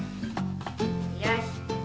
よし。